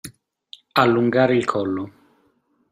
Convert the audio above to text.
Allungare il collo.